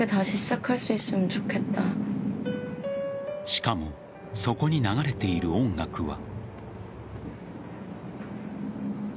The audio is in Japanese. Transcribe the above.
しかもそこに流れている音楽は。